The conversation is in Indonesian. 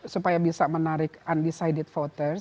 supaya bisa menarik undecided voters